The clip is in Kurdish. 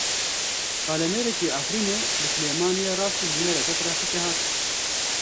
Kalemêrekî Efrînê li Silêmaniyê rastî bûyereke trafîkê hat.